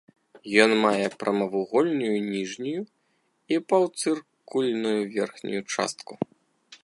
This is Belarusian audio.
Ён мае прамавугольную ніжнюю і паўцыркульную верхнюю частку.